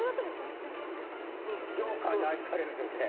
ジョーカーに愛される女性。